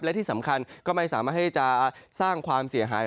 และที่สำคัญก็ไม่สามารถที่จะสร้างความเสียหาย